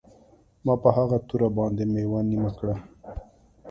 ما په هغه توره باندې میوه نیمه کړه